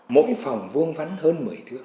mỗi phòng vuông vắn hơn mười thước